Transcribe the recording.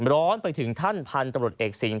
ร้อนไปถึงท่านพันธุ์ตำรวจเอกสิงห